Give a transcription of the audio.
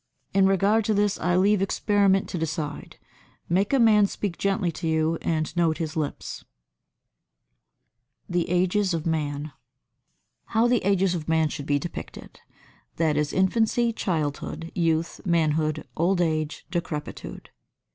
In regard to this I leave experiment to decide: make a man speak gently to you and note his lips. [Sidenote: The Ages of Man] 89. How the ages of man should be depicted: that is, infancy, childhood, youth, manhood, old age, decrepitude.